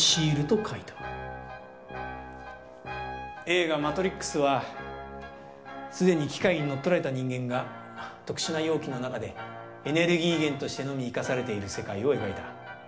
映画「マトリックス」は既に機械に乗っ取られた人間が特殊な容器の中でエネルギー源としてのみ生かされている世界を描いた。